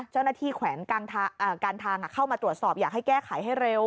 แขวนการทางเข้ามาตรวจสอบอยากให้แก้ไขให้เร็ว